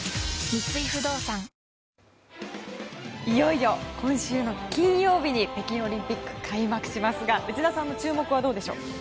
いよいよ今週の金曜日に北京オリンピックが開幕しますが内田さんの注目はどうでしょう？